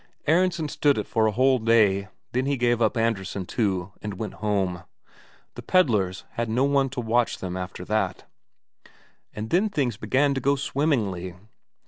Aronsen stood it for a whole day, then he gave up Andresen, too, and went home. The pedlars had no one to watch them after that. And then things began to go swimmingly.